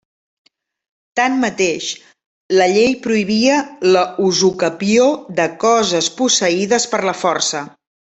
Tanmateix la llei prohibia la usucapió de coses posseïdes per la força.